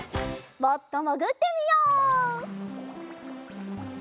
もっともぐってみよう。